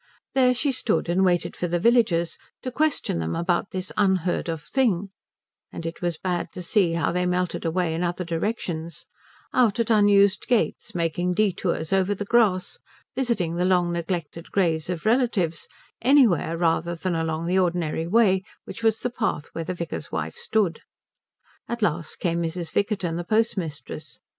There she stood and waited for the villagers to question them about this unheard of thing; and it was bad to see how they melted away in other directions, out at unused gates, making detours over the grass, visiting the long neglected graves of relatives, anywhere rather than along the ordinary way, which was the path where the vicar's wife stood. At last came Mrs. Vickerton the postmistress.